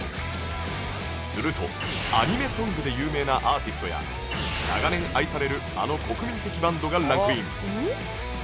するとアニメソングで有名なアーティストや長年愛されるあの国民的バンドがランクイン